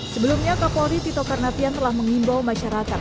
sebelumnya kapolri tito karnavian telah mengimbau masyarakat